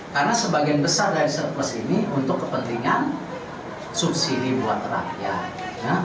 karena sebagian besar dari surplus ini untuk kepentingan subsidi buat rakyat